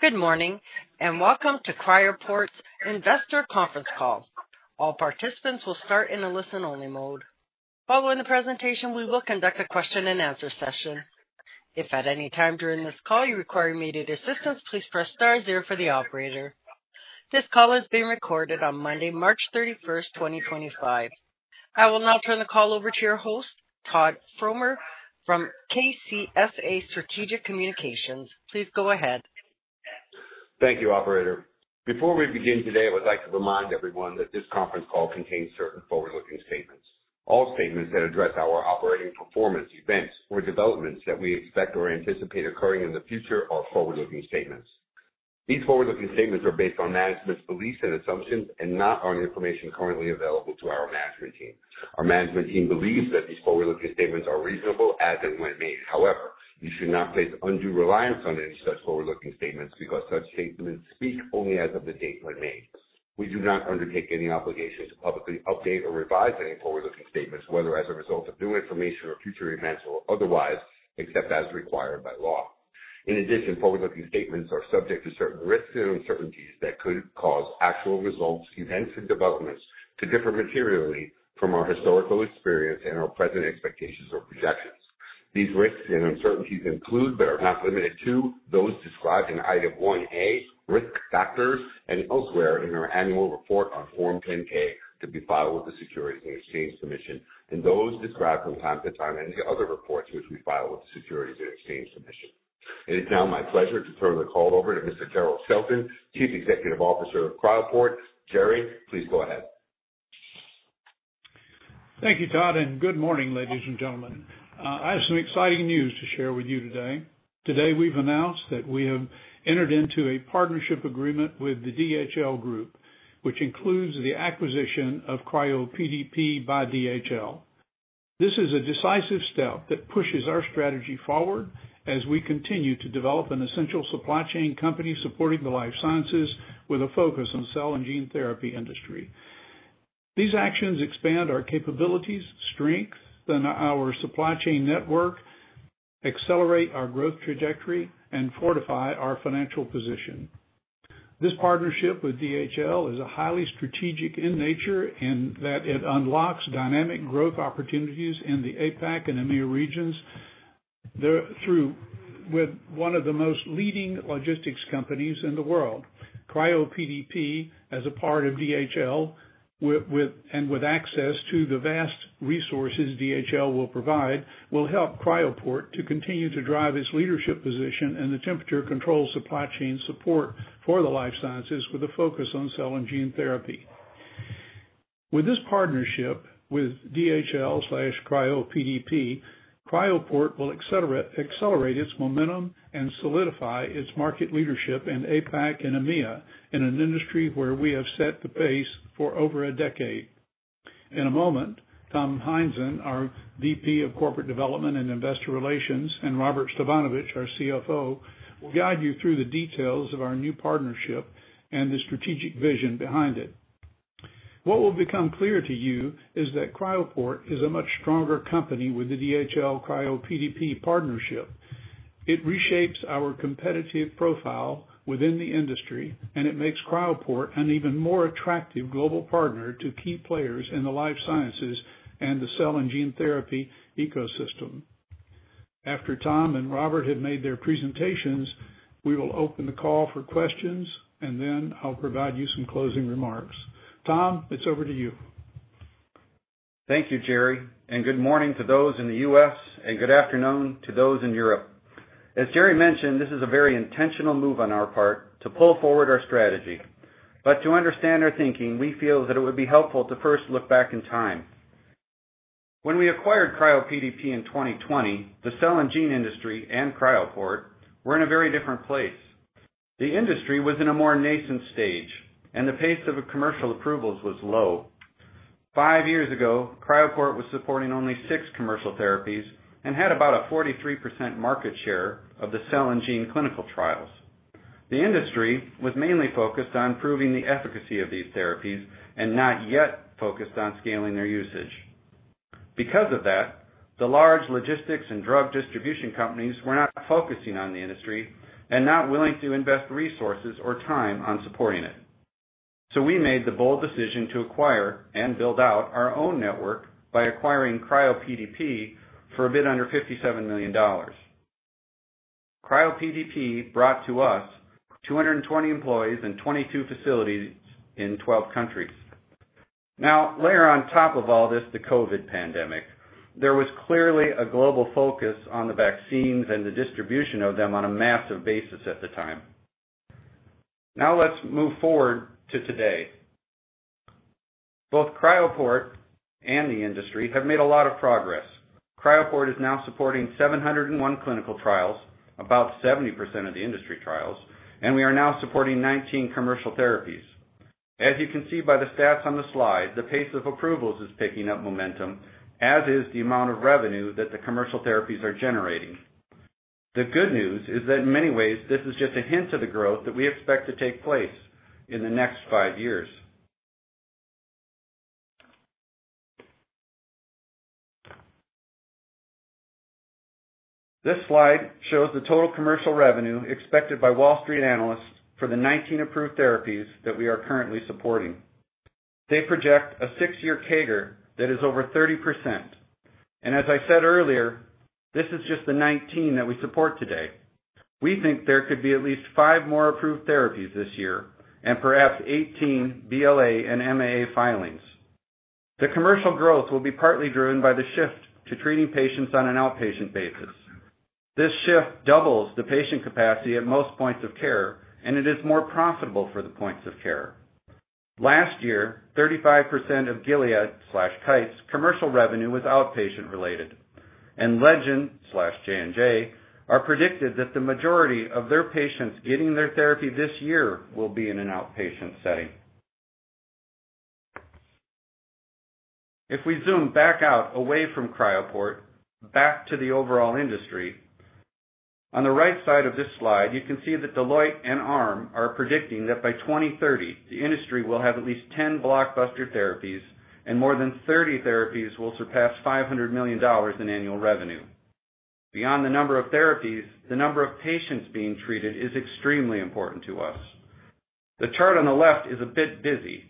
Good morning and welcome to Cryoport's investor conference call. All participants will start in a listen-only mode. Following the presentation, we will conduct a question-and-answer session. If at any time during this call you require immediate assistance, please press star zero for the operator. This call is being recorded on Monday, March 31, 2025. I will now turn the call over to your host, Todd Fromer from KCSA Strategic Communications. Please go ahead. Thank you, Operator. Before we begin today, I would like to remind everyone that this conference call contains certain forward-looking statements. All statements that address our operating performance, events, or developments that we expect or anticipate occurring in the future are forward-looking statements. These forward-looking statements are based on management's beliefs and assumptions and not on information currently available to our management team. Our management team believes that these forward-looking statements are reasonable as and when made. However, you should not place undue reliance on any such forward-looking statements because such statements speak only as of the date when made. We do not undertake any obligation to publicly update or revise any forward-looking statements, whether as a result of new information or future events or otherwise, except as required by law. In addition, forward-looking statements are subject to certain risks and uncertainties that could cause actual results, events, and developments to differ materially from our historical experience and our present expectations or projections. These risks and uncertainties include, but are not limited to, those described in Item 1A, Risk Factors, and elsewhere in our annual report on Form 10-K to be filed with the Securities and Exchange Commission, and those described from time to time in the other reports which we file with the Securities and Exchange Commission. It is now my pleasure to turn the call over to Mr. Jerrell Shelton, Chief Executive Officer of Cryoport. Jerry, please go ahead. Thank you, Todd, and good morning, ladies and gentlemen. I have some exciting news to share with you today. Today we've announced that we have entered into a partnership agreement with the DHL Group, which includes the acquisition of CRYOPDP by DHL. This is a decisive step that pushes our strategy forward as we continue to develop an essential supply chain company supporting the life sciences with a focus on the cell and gene therapy industry. These actions expand our capabilities, strengthen our supply chain network, accelerate our growth trajectory, and fortify our financial position. This partnership with DHL is highly strategic in nature in that it unlocks dynamic growth opportunities in the APAC and EMEA regions with one of the most leading logistics companies in the world. CRYOPDP, as a part of DHL and with access to the vast resources DHL will provide, will help Cryoport to continue to drive its leadership position in the temperature control supply chain support for the life sciences with a focus on cell and gene therapy. With this partnership with DHL/CRYOPDP, Cryoport will accelerate its momentum and solidify its market leadership in APAC and EMEA in an industry where we have set the pace for over a decade. In a moment, Tom Heinzen, our VP of Corporate Development and Investor Relations, and Robert Stefanovich, our CFO, will guide you through the details of our new partnership and the strategic vision behind it. What will become clear to you is that Cryoport is a much stronger company with the DHL/CRYOPDP partnership. It reshapes our competitive profile within the industry, and it makes Cryoport an even more attractive global partner to key players in the life sciences and the cell and gene therapy ecosystem. After Tom and Robert have made their presentations, we will open the call for questions, and then I'll provide you some closing remarks. Tom, it's over to you. Thank you, Jerry, and good morning to those in the U.S., and good afternoon to those in Europe. As Jerry mentioned, this is a very intentional move on our part to pull forward our strategy. To understand our thinking, we feel that it would be helpful to first look back in time. When we acquired CRYOPDP in 2020, the cell and gene industry and Cryoport were in a very different place. The industry was in a more nascent stage, and the pace of commercial approvals was low. Five years ago, Cryoport was supporting only six commercial therapies and had about a 43% market share of the cell and gene clinical trials. The industry was mainly focused on proving the efficacy of these therapies and not yet focused on scaling their usage. Because of that, the large logistics and drug distribution companies were not focusing on the industry and not willing to invest resources or time on supporting it. We made the bold decision to acquire and build out our own network by acquiring CRYOPDP for a bit under $57 million. CRYOPDP brought to us 220 employees and 22 facilities in 12 countries. Now, layer on top of all this the COVID pandemic. There was clearly a global focus on the vaccines and the distribution of them on a massive basis at the time. Now let's move forward to today. Both Cryoport and the industry have made a lot of progress. Cryoport is now supporting 701 clinical trials, about 70% of the industry trials, and we are now supporting 19 commercial therapies. As you can see by the stats on the slide, the pace of approvals is picking up momentum, as is the amount of revenue that the commercial therapies are generating. The good news is that in many ways, this is just a hint of the growth that we expect to take place in the next five years. This slide shows the total commercial revenue expected by Wall Street analysts for the 19 approved therapies that we are currently supporting. They project a six-year CAGR that is over 30%. As I said earlier, this is just the 19 that we support today. We think there could be at least five more approved therapies this year and perhaps 18 BLA and MAA filings. The commercial growth will be partly driven by the shift to treating patients on an outpatient basis. This shift doubles the patient capacity at most points of care, and it is more profitable for the points of care. Last year, 35% of Gilead/Kite's commercial revenue was outpatient-related, and Legend/J&J are predicted that the majority of their patients getting their therapy this year will be in an outpatient setting. If we zoom back out away from Cryoport, back to the overall industry, on the right side of this slide, you can see that Deloitte and ARM are predicting that by 2030, the industry will have at least 10 blockbuster therapies, and more than 30 therapies will surpass $500 million in annual revenue. Beyond the number of therapies, the number of patients being treated is extremely important to us. The chart on the left is a bit busy,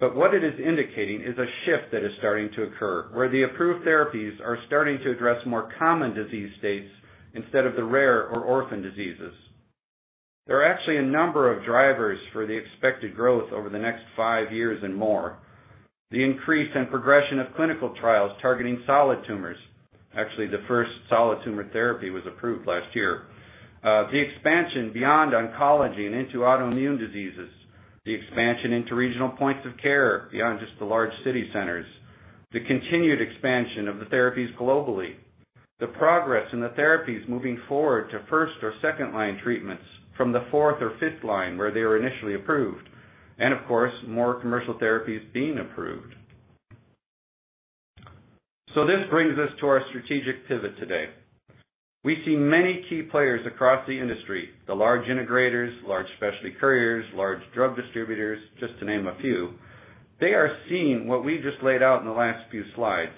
but what it is indicating is a shift that is starting to occur, where the approved therapies are starting to address more common disease states instead of the rare or orphan diseases. There are actually a number of drivers for the expected growth over the next five years and more: the increase and progression of clinical trials targeting solid tumors—actually, the first solid tumor therapy was approved last year—the expansion beyond oncology and into autoimmune diseases, the expansion into regional points of care beyond just the large city centers, the continued expansion of the therapies globally, the progress in the therapies moving forward to first or second-line treatments from the fourth or fifth line where they were initially approved, and of course, more commercial therapies being approved. This brings us to our strategic pivot today. We see many key players across the industry: the large integrators, large specialty couriers, large drug distributors, just to name a few. They are seeing what we just laid out in the last few slides,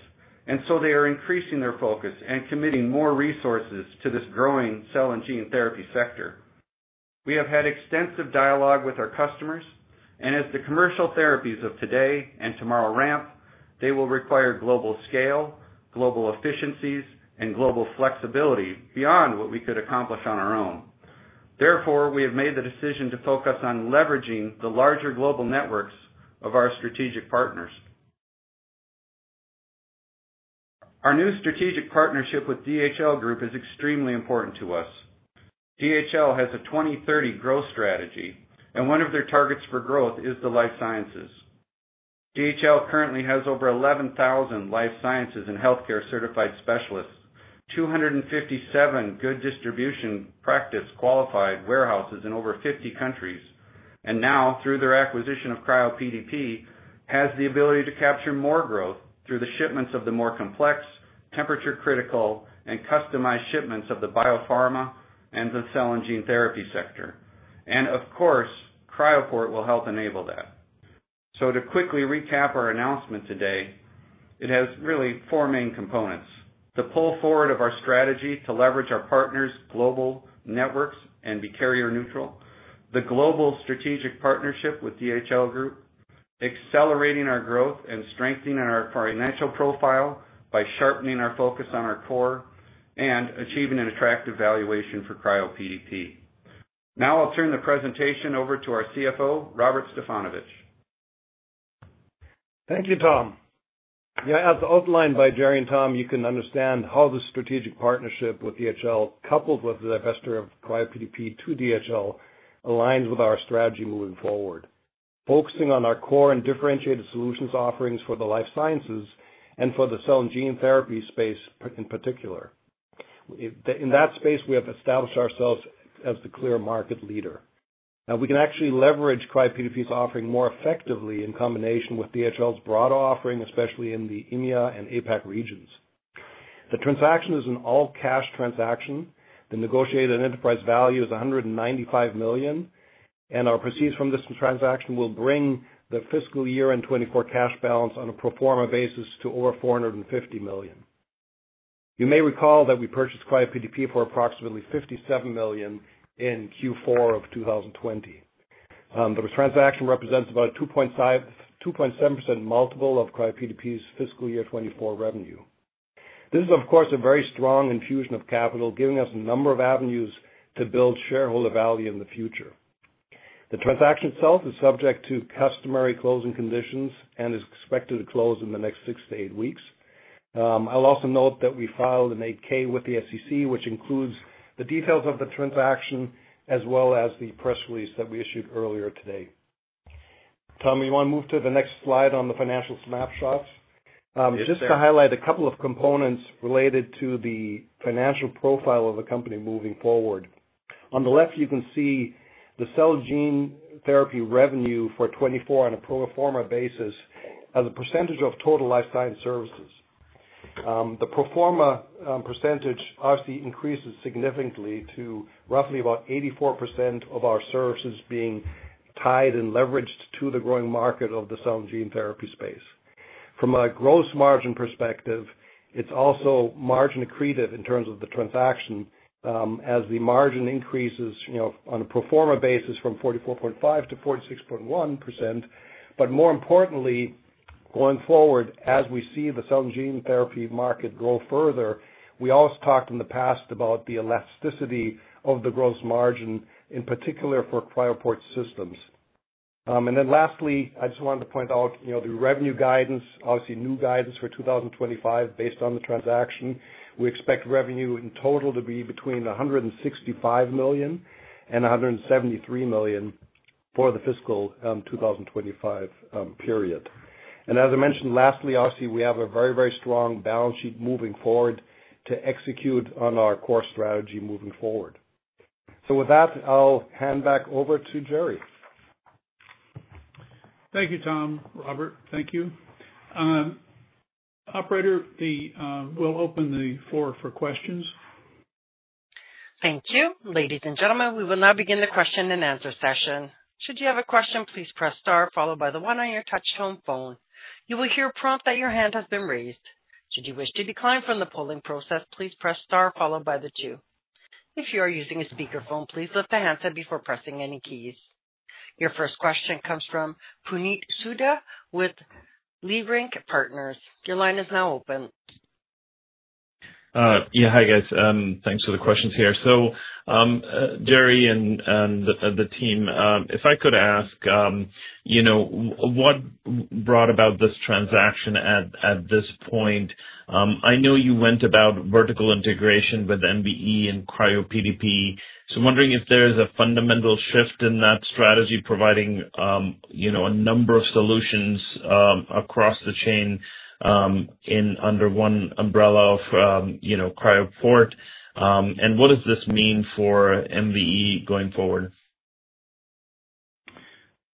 and they are increasing their focus and committing more resources to this growing cell and gene therapy sector. We have had extensive dialogue with our customers, and as the commercial therapies of today and tomorrow ramp, they will require global scale, global efficiencies, and global flexibility beyond what we could accomplish on our own. Therefore, we have made the decision to focus on leveraging the larger global networks of our strategic partners. Our new strategic partnership with DHL Group is extremely important to us. DHL has a 2030 growth strategy, and one of their targets for growth is the life sciences. DHL currently has over 11,000 life sciences and healthcare-certified specialists, 257 Good Distribution Practice qualified warehouses in over 50 countries, and now, through their acquisition of CRYOPDP, has the ability to capture more growth through the shipments of the more complex, temperature-critical, and customized shipments of the biopharma and the cell and gene therapy sector. Of course, Cryoport will help enable that. To quickly recap our announcement today, it has really four main components: the pull forward of our strategy to leverage our partners' global networks and be carrier-neutral, the global strategic partnership with DHL Group, accelerating our growth and strengthening our financial profile by sharpening our focus on our core, and achieving an attractive valuation for CRYOPDP. Now I'll turn the presentation over to our CFO, Robert Stefanovich. Thank you, Tom. Yeah, as outlined by Jerrell and Tom, you can understand how the strategic partnership with DHL, coupled with the divestiture of CRYOPDP to DHL, aligns with our strategy moving forward, focusing on our core and differentiated solutions offerings for the life sciences and for the cell and gene therapy space in particular. In that space, we have established ourselves as the clear market leader. Now, we can actually leverage CRYOPDP's offering more effectively in combination with DHL's broader offering, especially in the EMEA and APAC regions. The transaction is an all-cash transaction. The negotiated enterprise value is $195 million, and our proceeds from this transaction will bring the fiscal year end 2024 cash balance on a pro forma basis to over $450 million. You may recall that we purchased CRYOPDP for approximately $57 million in Q4 of 2020. The transaction represents about a 2.7% multiple of CRYOPDP's fiscal year 2024 revenue. This is, of course, a very strong infusion of capital, giving us a number of avenues to build shareholder value in the future. The transaction itself is subject to customary closing conditions and is expected to close in the next six to eight weeks. I'll also note that we filed an 8-K with the SEC, which includes the details of the transaction as well as the press release that we issued earlier today. Tom, you want to move to the next slide on the financial snapshots? Yes. Just to highlight a couple of components related to the financial profile of the company moving forward. On the left, you can see the cell and gene therapy revenue for 2024 on a proforma basis as a percentage of total life science services. The proforma percentage obviously increases significantly to roughly about 84% of our services being tied and leveraged to the growing market of the cell and gene therapy space. From a gross margin perspective, it's also margin accretive in terms of the transaction as the margin increases on a proforma basis from 44.5% to 46.1%. More importantly, going forward, as we see the cell and gene therapy market grow further, we always talked in the past about the elasticity of the gross margin, in particular for Cryoport Systems. Lastly, I just wanted to point out the revenue guidance, obviously new guidance for 2025 based on the transaction. We expect revenue in total to be between $165 million and $173 million for the fiscal 2025 period. As I mentioned lastly, obviously, we have a very, very strong balance sheet moving forward to execute on our core strategy moving forward. With that, I'll hand back over to Jerry. Thank you, Tom. Robert, thank you. Operator, we'll open the floor for questions. Thank you. Ladies and gentlemen, we will now begin the question and answer session. Should you have a question, please press star followed by the one on your touch-tone phone. You will hear a prompt that your hand has been raised. Should you wish to decline from the polling process, please press star followed by the two. If you are using a speakerphone, please lift the handset before pressing any keys. Your first question comes from Puneet Souda with Leerink Partners. Your line is now open. Yeah, hi guys. Thanks for the questions here. Jerry and the team, if I could ask, what brought about this transaction at this point? I know you went about vertical integration with MVE and CRYOPDP. I'm wondering if there is a fundamental shift in that strategy providing a number of solutions across the chain under one umbrella of Cryoport. What does this mean for MVE going forward?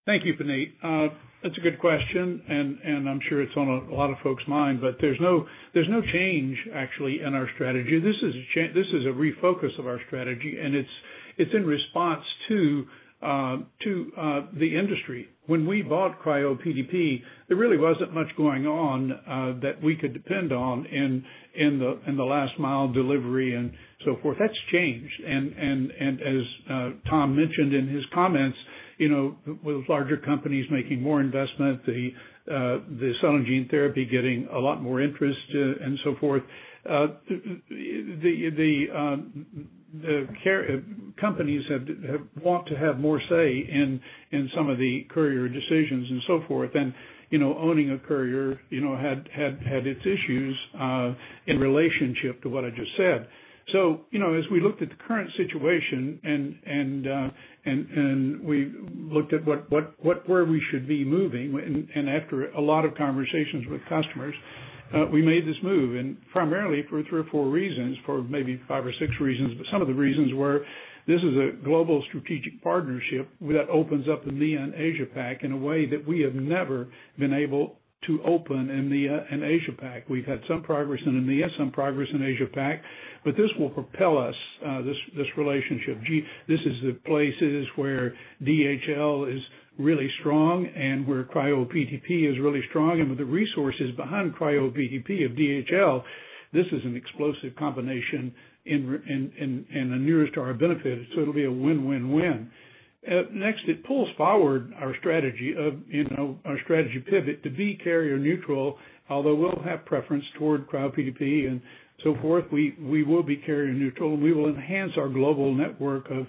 Thank you, Puneet. That's a good question, and I'm sure it's on a lot of folks' mind. There's no change, actually, in our strategy. This is a refocus of our strategy, and it's in response to the industry. When we bought CRYOPDP, there really wasn't much going on that we could depend on in the last-mile delivery and so forth. That's changed. As Tom mentioned in his comments, with larger companies making more investment, the cell and gene therapy getting a lot more interest and so forth, the companies have wanted to have more say in some of the courier decisions and so forth. Owning a courier had its issues in relationship to what I just said. As we looked at the current situation and we looked at where we should be moving, and after a lot of conversations with customers, we made this move primarily for three or four reasons, for maybe five or six reasons. Some of the reasons were this is a global strategic partnership that opens up the EMEA and APAC in a way that we have never been able to open in EMEA and APAC. We've had some progress in EMEA, some progress in APAC, but this will propel us, this relationship. These are the places where DHL is really strong and where CRYOPDP is really strong. With the resources behind CRYOPDP of DHL, this is an explosive combination in the nearest to our benefit. It will be a win-win-win. Next, it pulls forward our strategy of our strategy pivot to be carrier-neutral. Although we'll have preference toward CRYOPDP and so forth, we will be carrier-neutral, and we will enhance our global network of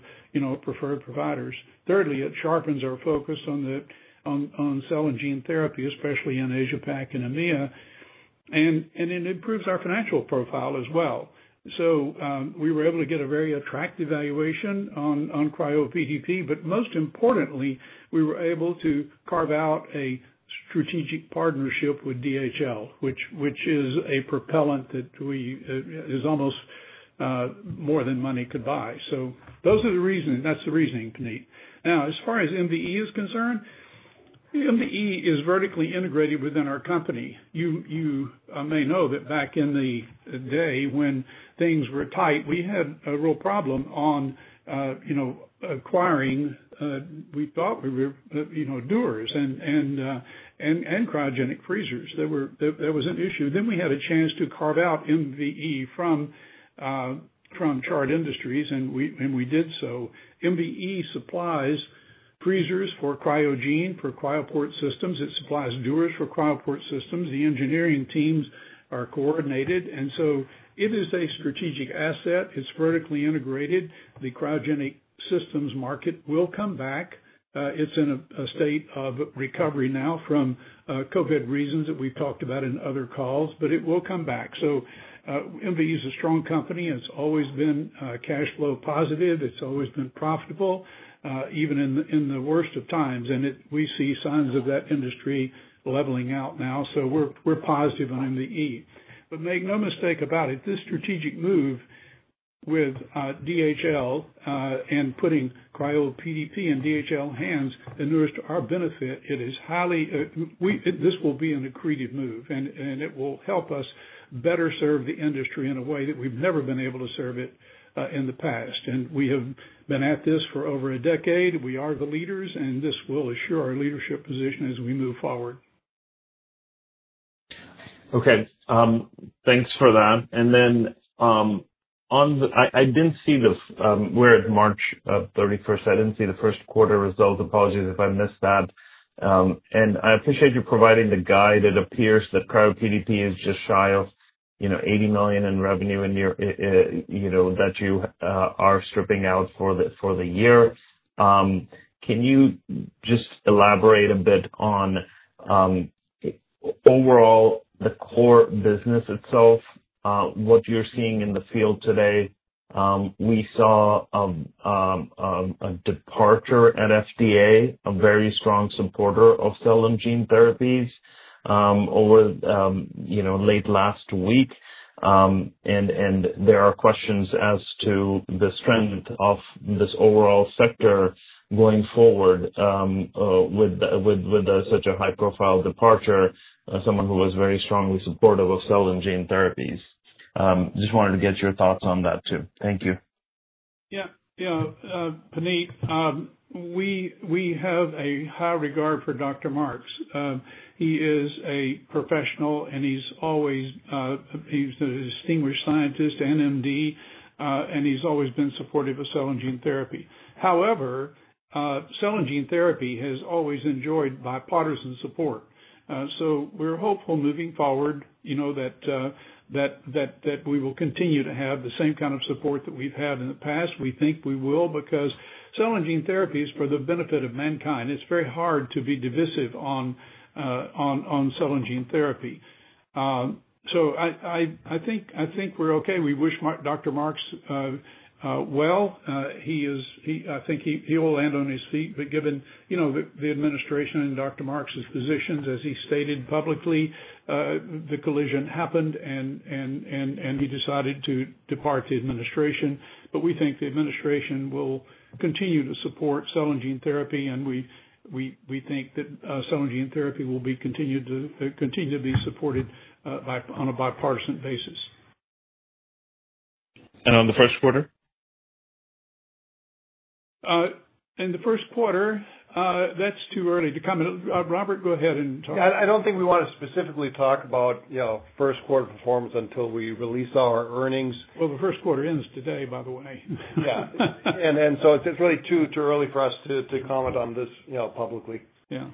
preferred providers. Thirdly, it sharpens our focus on cell and gene therapy, especially in APAC and EMEA, and it improves our financial profile as well. We were able to get a very attractive valuation on CRYOPDP, but most importantly, we were able to carve out a strategic partnership with DHL, which is a propellant that is almost more than money could buy. Those are the reasons. That's the reasoning, Puneet. Now, as far as MVE is concerned, MVE is vertically integrated within our company. You may know that back in the day when things were tight, we had a real problem on acquiring—we sought dewars and cryogenic freezers. There was an issue. We had a chance to carve out MVE from Chart Industries, and we did so. MVE supplies freezers for cryogen for Cryoport Systems. It supplies dewars for Cryoport Systems. The engineering teams are coordinated. It is a strategic asset. It is vertically integrated. The cryogenic systems market will come back. It is in a state of recovery now from COVID reasons that we have talked about in other calls, but it will come back. MVE is a strong company. It has always been cash flow positive. It has always been profitable, even in the worst of times. We see signs of that industry leveling out now. We are positive on MVE. Make no mistake about it, this strategic move with DHL and putting CRYOPDP in DHL hands is nearest to our benefit, it is highly—this will be an accretive move, and it will help us better serve the industry in a way that we've never been able to serve it in the past. We have been at this for over a decade. We are the leaders, and this will assure our leadership position as we move forward. Okay. Thanks for that. I did not see the—we are at March 31. I did not see the first quarter results. Apologies if I missed that. I appreciate you providing the guide. It appears that CRYOPDP is just shy of $80 million in revenue that you are stripping out for the year. Can you just elaborate a bit on overall the core business itself, what you are seeing in the field today? We saw a departure at FDA, a very strong supporter of cell and gene therapies late last week. There are questions as to the strength of this overall sector going forward with such a high-profile departure, someone who was very strongly supportive of cell and gene therapies. I just wanted to get your thoughts on that too. Thank you. Yeah. Yeah. Puneet, we have a high regard for Dr. Marks. He is a professional, and he's an distinguished scientist, an MD, and he's always been supportive of cell and gene therapy. However, cell and gene therapy has always enjoyed bipartisan support. We are hopeful moving forward that we will continue to have the same kind of support that we've had in the past. We think we will because cell and gene therapy is for the benefit of mankind. It's very hard to be divisive on cell and gene therapy. I think we're okay. We wish Dr. Marks well. I think he will land on his feet. Given the administration and Dr. Marks' positions, as he stated publicly, the collision happened, and he decided to depart the administration. We think the administration will continue to support cell and gene therapy, and we think that cell and gene therapy will continue to be supported on a bipartisan basis. On the first quarter? In the first quarter, that's too early to comment. Robert, go ahead and talk. Yeah. I don't think we want to specifically talk about first quarter performance until we release our earnings. The first quarter ends today, by the way. Yeah. It is really too early for us to comment on this publicly. Yeah.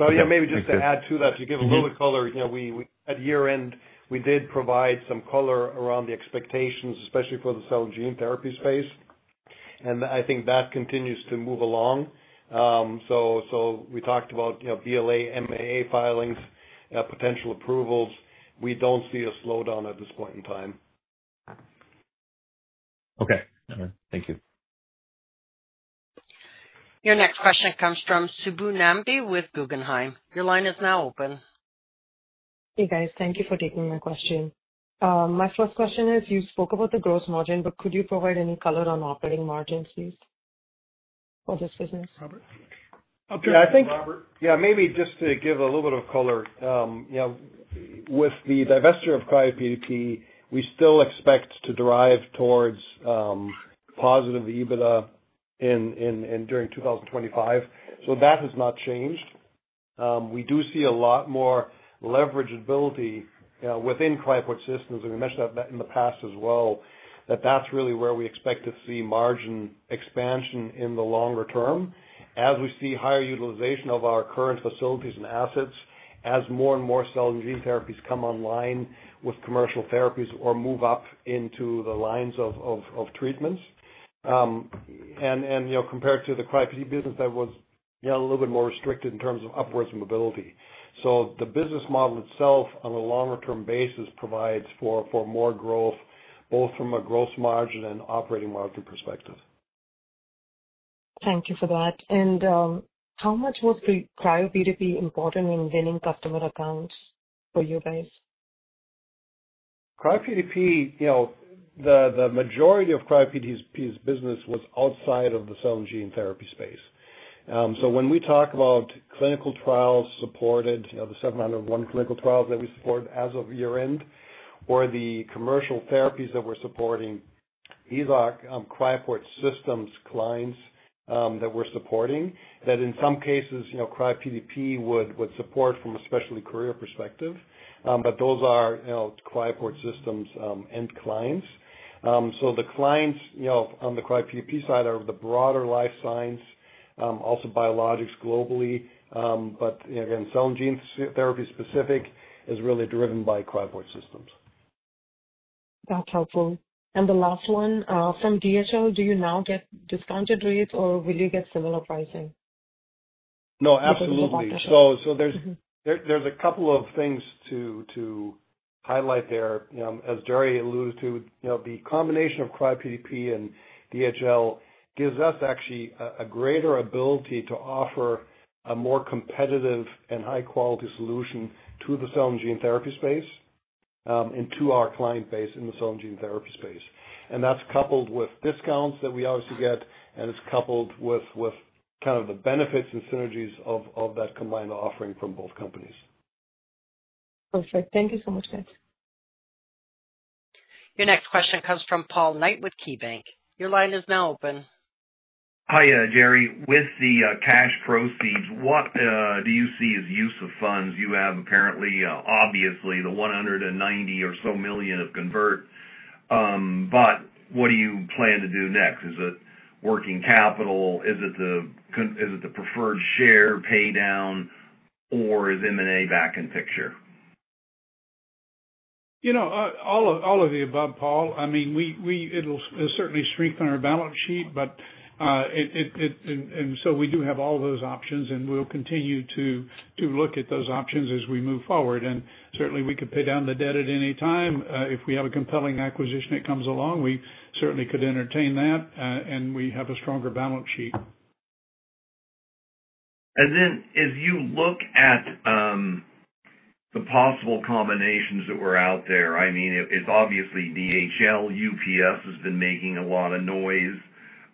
Yeah, maybe just to add to that, to give a little color, we had year-end, we did provide some color around the expectations, especially for the cell and gene therapy space. I think that continues to move along. We talked about BLA MAA filings, potential approvals. We do not see a slowdown at this point in time. Okay. All right. Thank you. Your next question comes from Subbu Nambi with Guggenheim. Your line is now open. Hey, guys. Thank you for taking my question. My first question is, you spoke about the gross margin, but could you provide any color on operating margins, please, for this business? Yeah, I think. Yeah. Maybe just to give a little bit of color, with the divestiture of CRYOPDP, we still expect to drive towards positive EBITDA during 2025. That has not changed. We do see a lot more leverageability within Cryoport Systems. We mentioned that in the past as well, that that's really where we expect to see margin expansion in the longer term as we see higher utilization of our current facilities and assets as more and more cell and gene therapies come online with commercial therapies or move up into the lines of treatments. Compared to the CRYOPDP business, that was a little bit more restricted in terms of upwards mobility. The business model itself, on a longer-term basis, provides for more growth, both from a gross margin and operating margin perspective. Thank you for that. How much was CRYOPDP important in winning customer accounts for you guys? CRYOPDP, the majority of CRYOPDP's business was outside of the cell and gene therapy space. When we talk about clinical trials supported, the 701 clinical trials that we support as of year-end, or the commercial therapies that we're supporting, these are Cryoport Systems clients that we're supporting that in some cases, CRYOPDP would support from a specialty courier perspective. Those are Cryoport Systems end clients. The clients on the CRYOPDP side are the broader life science, also biologics globally. Again, cell and gene therapy specific is really driven by Cryoport Systems. That's helpful. The last one, from DHL, do you now get discounted rates, or will you get similar pricing? No, absolutely. For both? There are a couple of things to highlight there. As Jerry alluded to, the combination of CRYOPDP and DHL gives us actually a greater ability to offer a more competitive and high-quality solution to the cell and gene therapy space and to our client base in the cell and gene therapy space. That is coupled with discounts that we obviously get, and it is coupled with the benefits and synergies of that combined offering from both companies. Perfect. Thank you so much, guys. Your next question comes from Paul Knight with KeyBanc. Your line is now open. Hi, Jerry. With the cash proceeds, what do you see as use of funds? You have apparently, obviously, the $190 million or so of convert. But what do you plan to do next? Is it working capital? Is it the preferred share paydown, or is M&A back in picture? All of the above, Paul. I mean, it'll certainly shrink on our balance sheet. We do have all those options, and we'll continue to look at those options as we move forward. Certainly, we could pay down the debt at any time. If we have a compelling acquisition that comes along, we certainly could entertain that, and we have a stronger balance sheet. If you look at the possible combinations that were out there, I mean, it's obviously DHL. UPS has been making a lot of noise.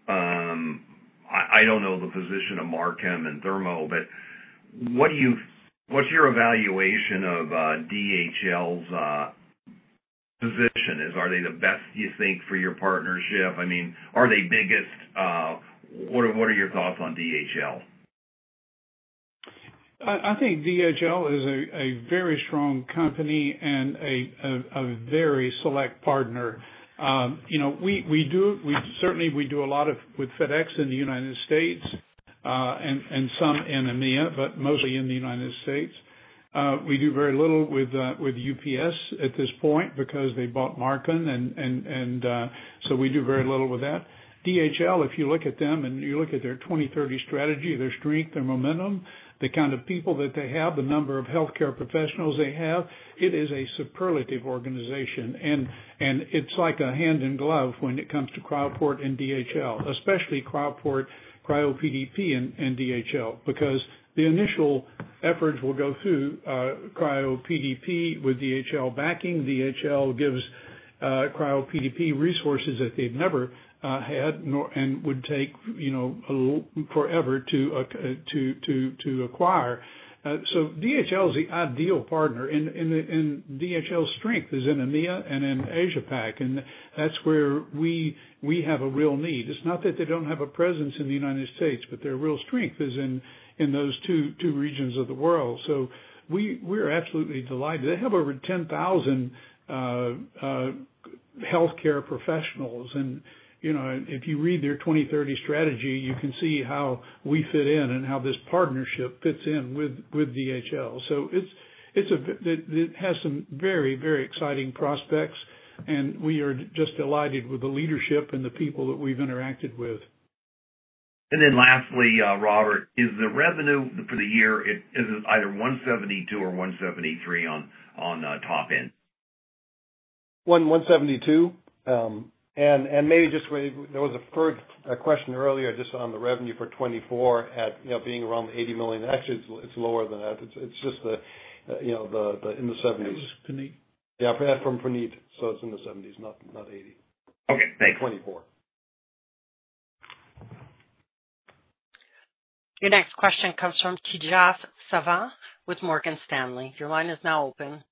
I don't know the position of Marken and Thermo, but what's your evaluation of DHL's position? Are they the best, you think, for your partnership? I mean, are they the biggest? What are your thoughts on DHL? I think DHL is a very strong company and a very select partner. Certainly, we do a lot with FedEx in the United States and some in EMEA, but mostly in the United States. We do very little with UPS at this point because they bought Marken, and so we do very little with that. DHL, if you look at them and you look at their 2030 strategy, their strength, their momentum, the kind of people that they have, the number of healthcare professionals they have, it is a superlative organization. It is like a hand in glove when it comes to Cryoport and DHL, especially Cryoport, CRYOPDP, and DHL because the initial efforts will go through CRYOPDP with DHL backing. DHL gives CRYOPDP resources that they've never had and would take forever to acquire. DHL is the ideal partner. DHL's strength is in EMEA and in APAC, and that's where we have a real need. It's not that they don't have a presence in the United States, but their real strength is in those two regions of the world. We are absolutely delighted. They have over 10,000 healthcare professionals. If you read their 2030 strategy, you can see how we fit in and how this partnership fits in with DHL. It has some very, very exciting prospects, and we are just delighted with the leadership and the people that we've interacted with. Lastly, Robert, is the revenue for the year either $172 million or $173 million on the top end? $172 million and there was a third question earlier just on the revenue for 2024 at being around the $80 million. Actually, it's lower than that. It's just in the $70 million range. That was Puneet. Yeah, from Puneet. It is in the 70s, not 80. Okay. Thanks. 2024. Your next question comes from Tejas Savant with Morgan Stanley. Your line is now open.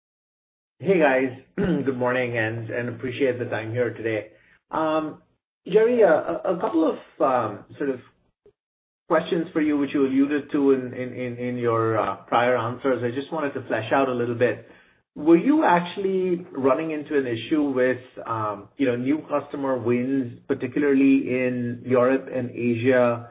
Hey, guys. Good morning and appreciate the time here today. Jerry, a couple of sort of questions for you, which you alluded to in your prior answers. I just wanted to flesh out a little bit. Were you actually running into an issue with new customer wins, particularly in Europe and Asia,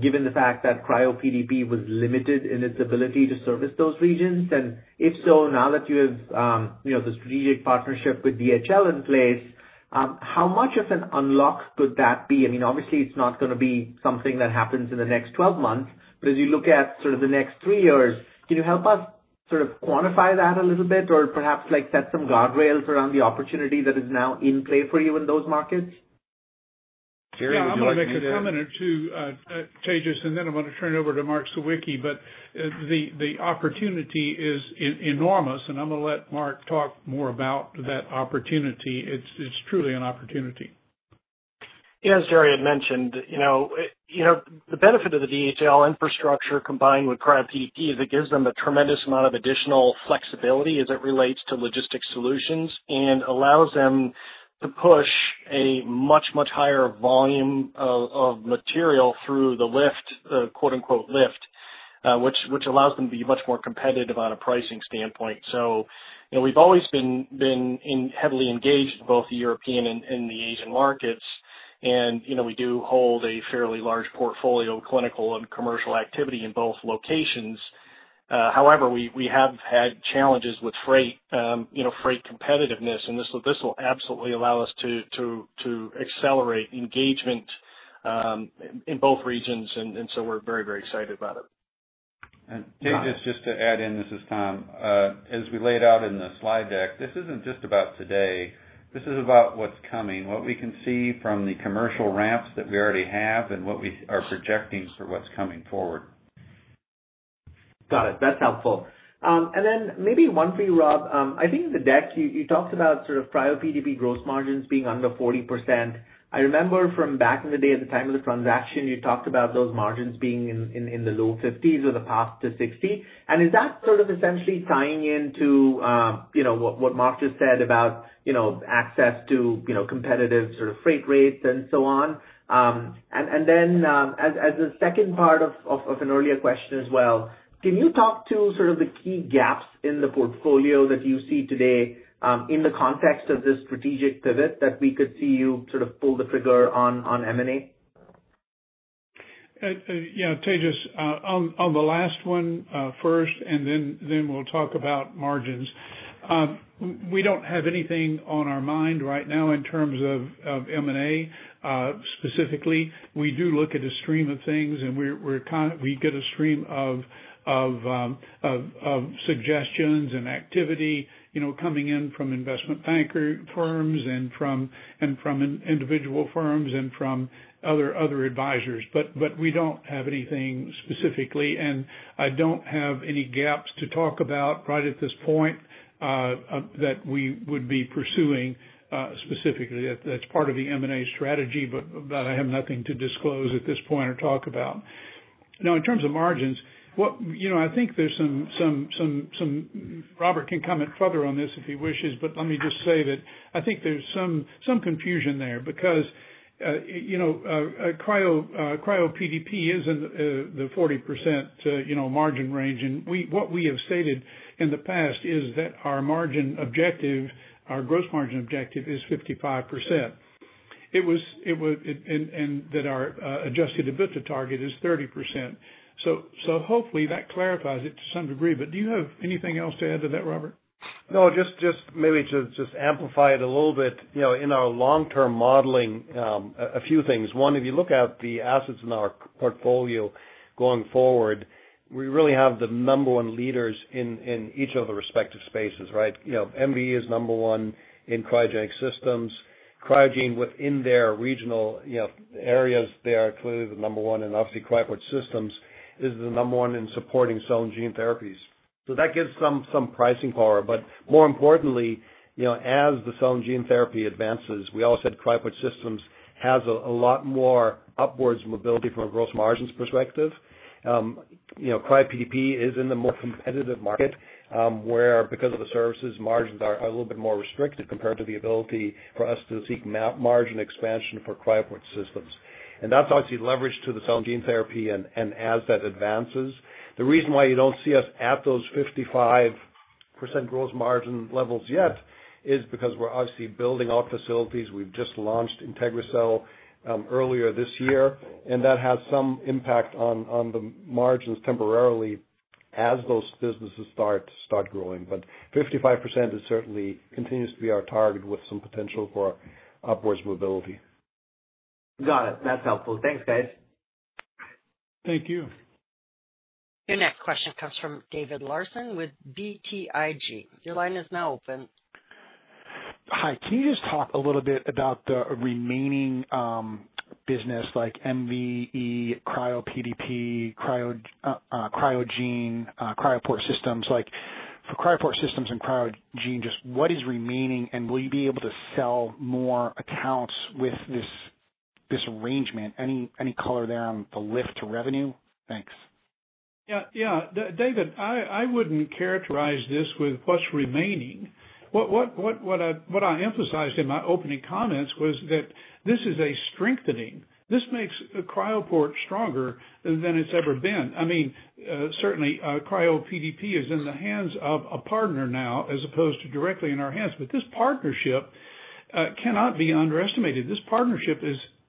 given the fact that CRYOPDP was limited in its ability to service those regions? And if so, now that you have the strategic partnership with DHL in place, how much of an unlock could that be? I mean, obviously, it's not going to be something that happens in the next 12 months. As you look at sort of the next three years, can you help us sort of quantify that a little bit or perhaps set some guardrails around the opportunity that is now in play for you in those markets? Jerry, would you like to? I'm going to make a comment or two, Tejas, and then I'm going to turn it over to Mark Sawicki. The opportunity is enormous, and I'm going to let Mark talk more about that opportunity. It's truly an opportunity. Yeah. As Jerrell had mentioned, the benefit of the DHL infrastructure combined with CRYOPDP is it gives them a tremendous amount of additional flexibility as it relates to logistics solutions and allows them to push a much, much higher volume of material through the lift, the quote-unquote "lift," which allows them to be much more competitive on a pricing standpoint. We have always been heavily engaged in both the European and the Asian markets, and we do hold a fairly large portfolio of clinical and commercial activity in both locations. However, we have had challenges with freight competitiveness, and this will absolutely allow us to accelerate engagement in both regions. We are very, very excited about it. Tejas, just to add in, this is Tom. As we laid out in the slide deck, this is not just about today. This is about what is coming, what we can see from the commercial ramps that we already have, and what we are projecting for what is coming forward. Got it. That's helpful. Maybe one for you, Rob. I think in the deck, you talked about sort of CRYOPDP gross margins being under 40%. I remember from back in the day, at the time of the transaction, you talked about those margins being in the low 50s or the past to 60. Is that sort of essentially tying into what Mark just said about access to competitive sort of freight rates and so on? As a second part of an earlier question as well, can you talk to sort of the key gaps in the portfolio that you see today in the context of this strategic pivot that we could see you sort of pull the trigger on M&A? Yeah. Tejas, on the last one first, and then we'll talk about margins. We don't have anything on our mind right now in terms of M&A specifically. We do look at a stream of things, and we get a stream of suggestions and activity coming in from investment bank firms and from individual firms and from other advisors. We don't have anything specifically, and I don't have any gaps to talk about right at this point that we would be pursuing specifically. That's part of the M&A strategy, but I have nothing to disclose at this point or talk about. Now, in terms of margins, I think Robert can comment further on this if he wishes, but let me just say that I think there's some confusion there because CRYOPDP is in the 40% margin range. What we have stated in the past is that our margin objective, our gross margin objective is 55%, and that our adjusted EBITDA target is 30%. Hopefully, that clarifies it to some degree. Do you have anything else to add to that, Robert? No, just maybe to just amplify it a little bit. In our long-term modeling, a few things. One, if you look at the assets in our portfolio going forward, we really have the number one leaders in each of the respective spaces, right? MVE is number one in cryogenic systems. Cryogene within their regional areas, they are clearly the number one. Obviously, Cryoport Systems is the number one in supporting cell and gene therapies. That gives some pricing power. More importantly, as the cell and gene therapy advances, we all said Cryoport Systems has a lot more upwards mobility from a gross margins perspective. CRYOPDP is in the more competitive market where, because of the services, margins are a little bit more restricted compared to the ability for us to seek margin expansion for Cryoport Systems. That is obviously leveraged to the cell and gene therapy and as that advances. The reason why you do not see us at those 55% gross margin levels yet is because we are obviously building out facilities. We have just launched IntegriCell earlier this year, and that has some impact on the margins temporarily as those businesses start growing. However, 55% certainly continues to be our target with some potential for upwards mobility. Got it. That's helpful. Thanks, guys. Thank you. Your next question comes from David Larsen with BTIG. Your line is now open. Hi. Can you just talk a little bit about the remaining business like MVE, CRYOPDP, Cryogene, Cryoport Systems? For Cryoport Systems and Cryogene, just what is remaining, and will you be able to sell more accounts with this arrangement? Any color there on the lift to revenue? Thanks. Yeah. Yeah. David, I wouldn't characterize this with what's remaining. What I emphasized in my opening comments was that this is a strengthening. This makes Cryoport stronger than it's ever been. I mean, certainly, CRYOPDP is in the hands of a partner now as opposed to directly in our hands. This partnership cannot be underestimated. This partnership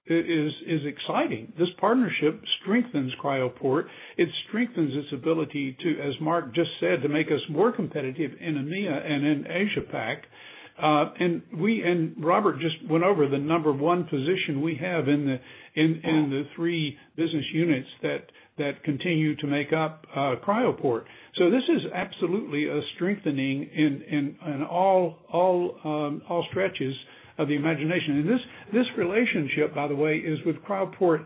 is exciting. This partnership strengthens Cryoport. It strengthens its ability to, as Mark just said, to make us more competitive in EMEA and in APAC. Robert just went over the number one position we have in the three business units that continue to make up Cryoport. This is absolutely a strengthening in all stretches of the imagination. This relationship, by the way, is with Cryoport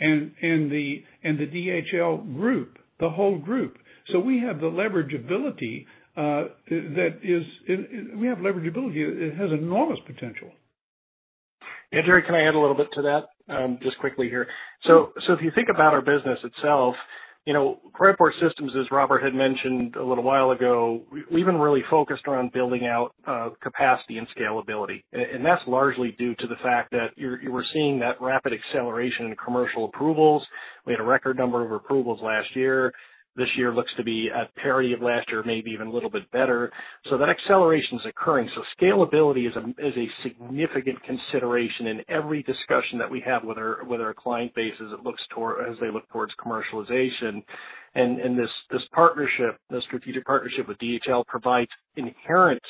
and the DHL Group, the whole group. We have the leverage ability, that is we have leverage ability. It has enormous potential. Yeah. Jerry, can I add a little bit to that just quickly here? If you think about our business itself, Cryoport Systems, as Robert had mentioned a little while ago, we've been really focused around building out capacity and scalability. That's largely due to the fact that we're seeing that rapid acceleration in commercial approvals. We had a record number of approvals last year. This year looks to be a parity of last year, maybe even a little bit better. That acceleration is occurring. Scalability is a significant consideration in every discussion that we have with our client bases as they look towards commercialization. This partnership, the strategic partnership with DHL, provides inherent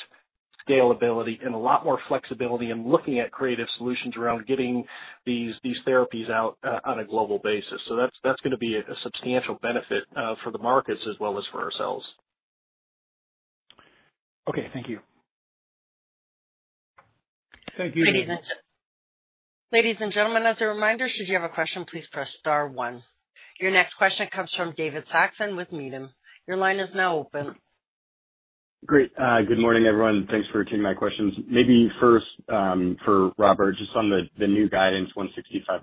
scalability and a lot more flexibility in looking at creative solutions around getting these therapies out on a global basis. That's going to be a substantial benefit for the markets as well as for ourselves. Okay. Thank you. Thank you. Ladies and gentlemen, as a reminder, should you have a question, please press star one. Your next question comes from David Saxon with Needham. Your line is now open. Great. Good morning, everyone. Thanks for taking my questions. Maybe first for Robert, just on the new guidance $165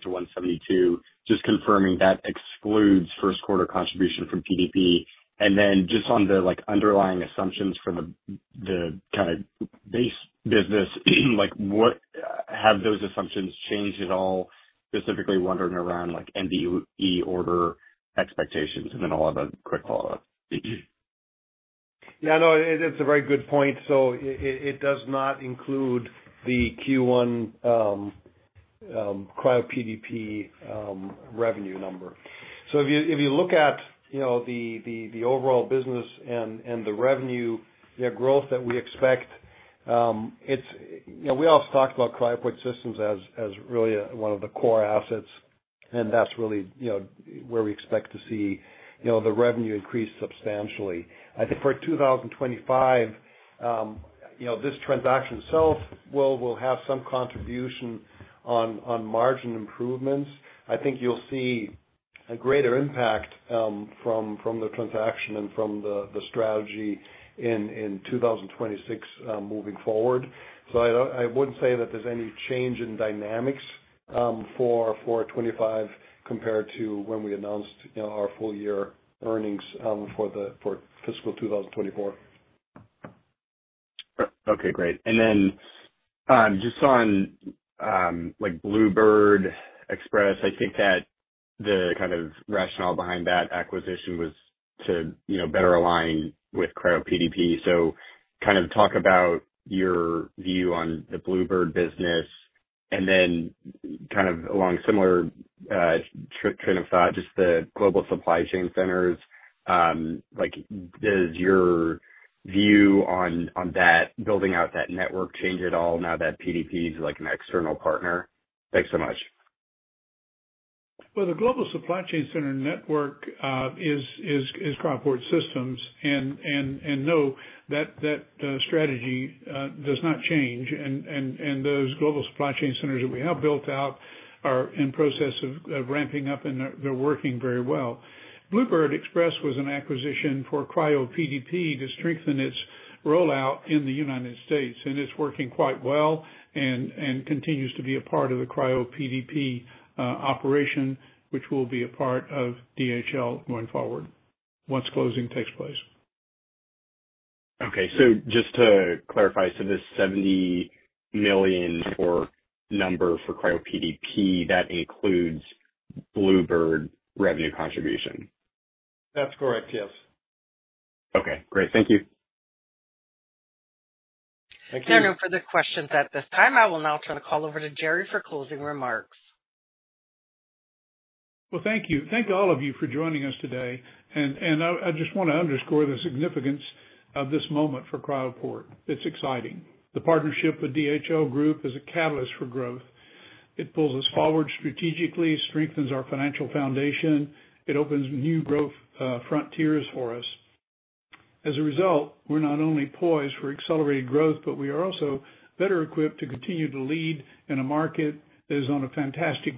million-$172 million, just confirming that excludes first-quarter contribution from PDP. And then just on the underlying assumptions for the kind of base business, have those assumptions changed at all? Specifically wondering around MVE order expectations and then all of the quick follow-up. Yeah. No, it's a very good point. It does not include the Q1 CRYOPDP revenue number. If you look at the overall business and the revenue, the growth that we expect, we always talked about Cryoport Systems as really one of the core assets, and that's really where we expect to see the revenue increase substantially. I think for 2025, this transaction itself will have some contribution on margin improvements. I think you'll see a greater impact from the transaction and from the strategy in 2026 moving forward. I wouldn't say that there's any change in dynamics for 2025 compared to when we announced our full-year earnings for fiscal 2024. Okay. Great. And then just on Bluebird Express, I think that the kind of rationale behind that acquisition was to better align with CRYOPDP. So kind of talk about your view on the Bluebird business. And then kind of along a similar train of thought, just the global supply chain centers, does your view on that, building out that network, change at all now that PDP is an external partner? Thanks so much. The global supply chain center network is Cryoport Systems. No, that strategy does not change. Those global supply chain centers that we have built out are in process of ramping up, and they're working very well. Bluebird Express was an acquisition for CRYOPDP to strengthen its rollout in the United States. It's working quite well and continues to be a part of the CRYOPDP operation, which will be a part of DHL going forward once closing takes place. Okay. Just to clarify, the $70 million number for CRYOPDP, that includes Bluebird revenue contribution? That's correct. Yes. Okay. Great. Thank you. There are no further questions at this time. I will now turn the call over to Jerry for closing remarks. Thank you. Thank all of you for joining us today. I just want to underscore the significance of this moment for Cryoport. It's exciting. The partnership with DHL Group is a catalyst for growth. It pulls us forward strategically, strengthens our financial foundation. It opens new growth frontiers for us. As a result, we're not only poised for accelerated growth, but we are also better equipped to continue to lead in a market that is on a fantastic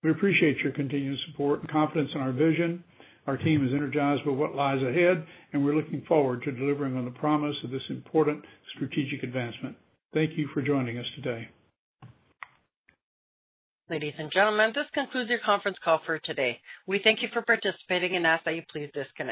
growth trajectory. We appreciate your continued support and confidence in our vision. Our team is energized by what lies ahead, and we're looking forward to delivering on the promise of this important strategic advancement. Thank you for joining us today. Ladies and gentlemen, this concludes your conference call for today. We thank you for participating and ask that you please disconnect.